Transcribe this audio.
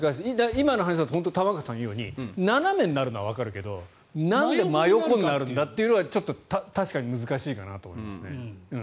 今の話だと玉川さんが言うように斜めになるならわかるけどなんで真横になるんだというのは確かに難しいかなと思います。